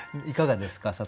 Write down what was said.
いかがですか？